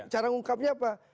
cara diungkapnya apa